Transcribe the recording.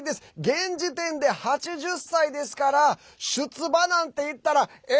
現時点で８０歳ですから出馬なんていったらえ？